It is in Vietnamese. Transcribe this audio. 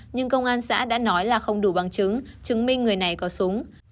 nhưng công an xã đã nói là không đủ bằng chứng chứng minh người này có súng